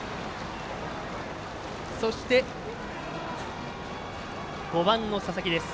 そして、５番の佐々木です。